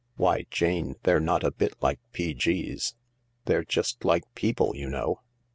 Why, Jane, they're not a bit like P.G.'s. They're just like people you know."